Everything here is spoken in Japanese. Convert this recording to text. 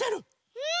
うん！